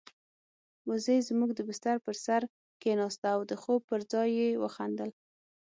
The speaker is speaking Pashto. وزې زموږ د بستر پر سر کېناسته او د خوب پر ځای يې وخندل.